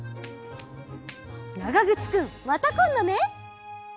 ながぐつくんまたこんどね。